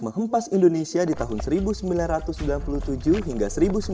menghempas indonesia di tahun seribu sembilan ratus sembilan puluh tujuh hingga seribu sembilan ratus sembilan puluh